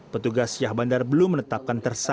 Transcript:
petugas syah bandar belum menetapkan tersangka